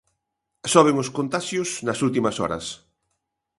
Soben os contaxios nas últimas horas.